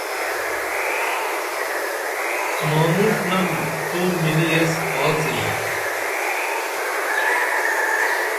مانُݜنم تو مِلی ایس آڅِن